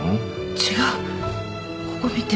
違うここ見て。